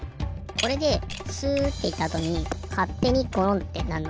これでスッていったあとにかってにゴロンってなるの。